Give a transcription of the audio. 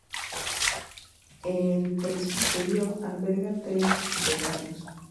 El presbiterio alberga tres retablos.